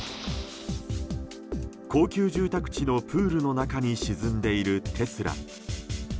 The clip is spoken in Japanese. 高級住宅地のプールの中に沈んでいるテスラ。